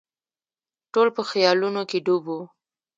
ټول په خیالونو کې ډوب وو.